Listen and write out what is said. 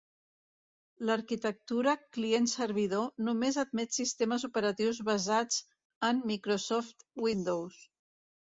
L'arquitectura client-servidor només admet sistemes operatius basats en Microsoft Windows.